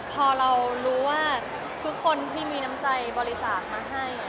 พอเรารู้ว่าทุกคนที่มีน้ำใจบริจาคมาให้